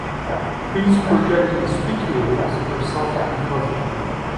These projecting spicules are soft and fuzzy.